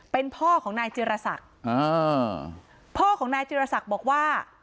เป็นพ่อของนายจิรษักอ่าพ่อของนายจิรษักบอกว่า